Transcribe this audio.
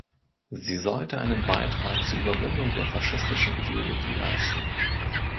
Sie sollte einen Beitrag zur Überwindung der faschistischen Ideologie leisten.